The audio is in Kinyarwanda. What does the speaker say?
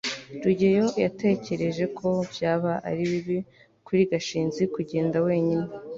rugeyo yatekereje ko byaba ari bibi kuri gashinzi kugenda wenyine